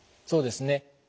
そうですね。